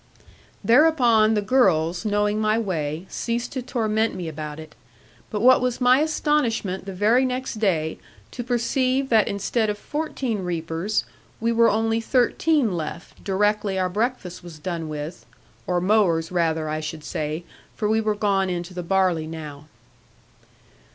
Thereupon, the girls, knowing my way, ceased to torment me about it: but what was my astonishment the very next day to perceive that instead of fourteen reapers, we were only thirteen left, directly our breakfast was done with or mowers rather I should say, for we were gone into the barley now.